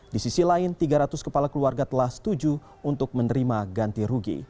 di sisi lain tiga ratus kepala keluarga telah setuju untuk menerima ganti rugi